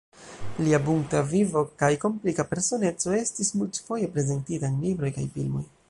Lia bunta vivo kaj komplika personeco estis multfoje prezentita en libroj kaj filmoj.